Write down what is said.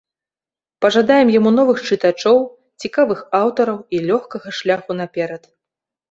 Пажадаем яму новых чытачоў, цікавых аўтараў і лёгкага шляху наперад!